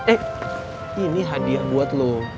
eh ini hadiah buat lo